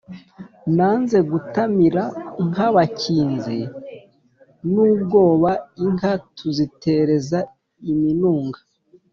Nanze gutamira nk'abakinzi b'ubwoba, inka tuzitereza iminunga;